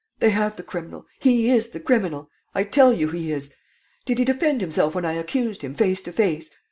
... They have the criminal. ... He is the criminal. ... I tell you he is. Did he defend himself when I accused him, face to face?